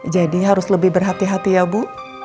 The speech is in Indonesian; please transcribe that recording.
jadi harus lebih berhati hati ya bu